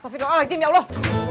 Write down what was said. kofi doang lagi ya allah